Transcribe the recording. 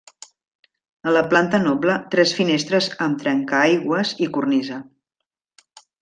A la planta noble tres finestres amb trencaaigües i cornisa.